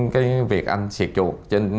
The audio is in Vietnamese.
cái việc anh xịt chuột